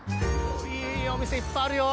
いいお店いっぱいあるよ！